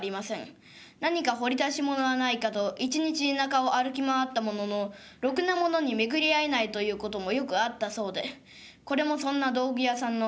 何か掘り出し物はないかと一日田舎を歩き回ったもののろくなものに巡り合えないということもよくあったそうでこれもそんな道具屋さんのお話。